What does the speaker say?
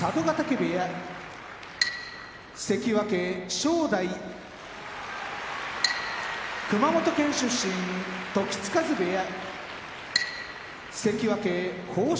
部屋関脇・正代熊本県出身時津風部屋関脇豊昇